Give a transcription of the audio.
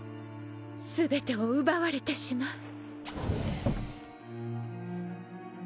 全てを奪われてしまう